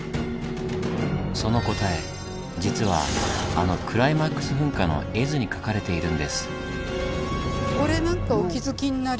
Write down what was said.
その答え実はあのクライマックス噴火の絵図に描かれているんです。